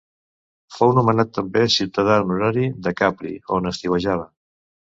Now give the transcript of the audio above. Fou nomenat també ciutadà honorari de Capri, on estiuejava.